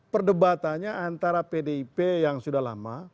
perdebatannya antara pdip yang sudah lama